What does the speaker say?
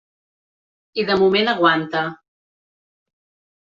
I de moment aguanta.